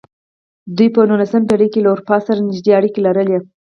دوی په نولسمه پېړۍ کې له اروپا سره نږدې اړیکې لرلې.